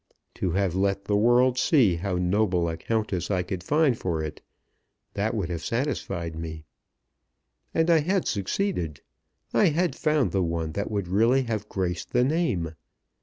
To have let the world see how noble a Countess I could find for it that would have satisfied me. And I had succeeded. I had found one that would really have graced the name.